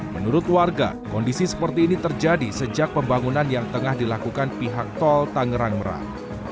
menurut warga kondisi seperti ini terjadi sejak pembangunan yang tengah dilakukan pihak tol tangerang merak